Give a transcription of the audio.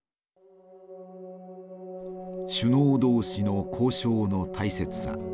首脳同士の交渉の大切さ。